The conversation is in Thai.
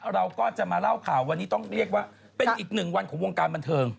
เราก็จะมาเล่าข่าววันนี้ต้องเรียกว่าเป็นอีกหนึ่งวันของวงการบันเทิง